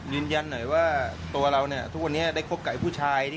ยืนยันหน่อยว่าตัวเราทุกวันนี้ได้คบกับผู้ชาย